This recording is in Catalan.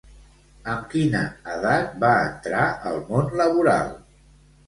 Amb quina edat va entrar al món laboral?